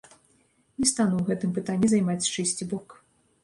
Не стану ў гэтым пытанні займаць чыйсьці бок.